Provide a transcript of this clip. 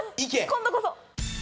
今度こそ！